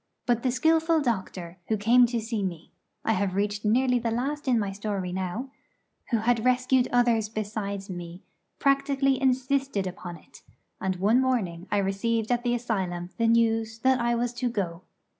But the skilful doctor who came to see me I have reached nearly the last in my story now who had rescued others besides me, practically insisted upon it; and one morning I received at the asylum the news that I was to go.